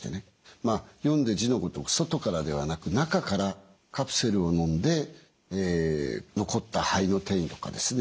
読んで字のごとく外からではなく中からカプセルをのんで残った肺の転移とかですね